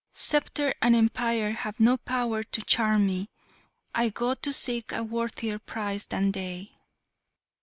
Sceptre and empire have no power to charm me I go to seek a worthier prize than they!"